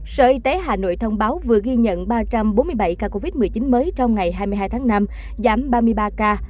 sở y tế hà nội thông báo vừa ghi nhận ba trăm bốn mươi bảy ca covid một mươi chín mới trong ngày hai mươi hai tháng năm giảm ba mươi ba ca